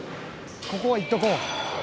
「ここはいっとこう」